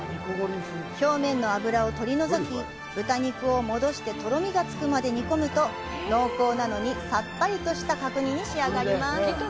表面の脂を取り除き、豚肉を戻してとろみが付くまで煮込むと濃厚なのにさっぱりとした角煮に仕上がります。